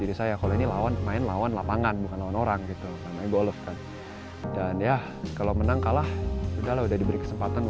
diri saya kalau ini lawan main lawan lapangan bukan lawan orang gitu karena golf dan ya kalau menang kalah sudah lah sudah diberikan kemampuan itu